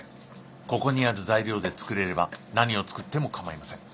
ここにある材料で作れれば何を作っても構いません。